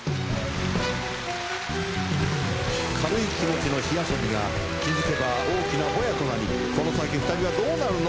軽い気持ちの火遊びが気付けば大きなボヤとなりその先２人はどうなるの？